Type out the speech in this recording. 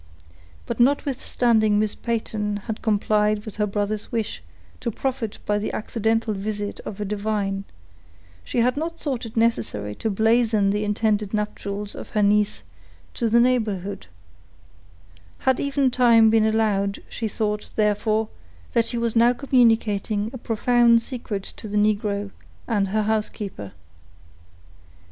But notwithstanding Miss Peyton had complied with her brother's wish to profit by the accidental visit of a divine, she had not thought it necessary to blazon the intended nuptials of her niece to the neighborhood, had even time been allowed; she thought, therefore, that she was now communicating a profound secret to the negro, and her housekeeper.